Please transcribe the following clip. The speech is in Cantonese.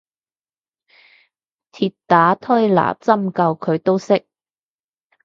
鐵打推拿針灸佢都識